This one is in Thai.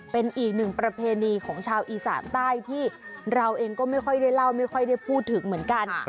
เป็นอีกหนึ่งประเพณีของชาวอีสานใต้ที่เราเองก็ไม่ค่อยได้เล่าไม่ค่อยได้พูดถึงเหมือนกัน